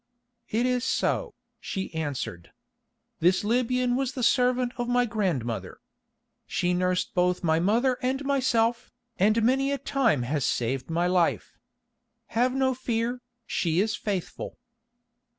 "It is so," she answered. "This Libyan was the servant of my grandmother. She nursed both my mother and myself, and many a time has saved my life. Have no fear, she is faithful."